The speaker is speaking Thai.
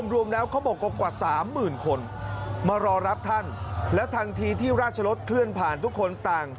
รวมแล้วเขาบอกว่ากว่าสามหมื่นคนมารอรับท่านและทันทีที่ราชรสเคลื่อนผ่านทุกคนต่าง